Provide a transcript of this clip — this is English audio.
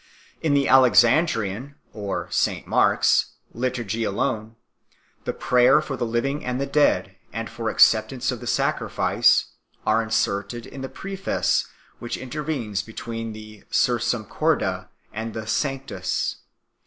In the Alexandrian (St Mark s) liturgy alone, the prayers for the living and the dead, and for acceptance of the sacrifice, are inserted in the Preface which intervenes between the Sursum Corda and the Sanctus.